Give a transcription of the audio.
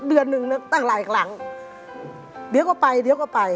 เดือนหนึ่งตั้งหลายครั้งเดี๋ยวก็ไปเดี๋ยวก็ไป